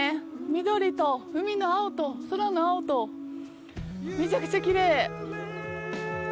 緑と、海の青と、空の青と、めちゃくちゃきれい！